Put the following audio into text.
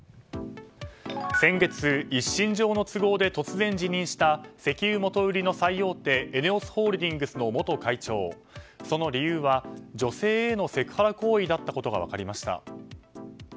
先月、一身上の都合で突然辞任した石油元売りの最大手ＥＮＥＯＳホールディングスの元会長その理由は女性へのセクハラ行為だったことが分かりました。